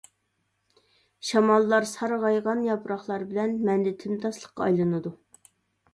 شاماللار سارغايغان ياپراقلار بىلەن مەندە تىمتاسلىققا ئايلىنىدۇ.